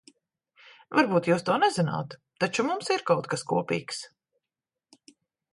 Varbūt jūs to nezināt, taču mums ir kaut kas kopīgs.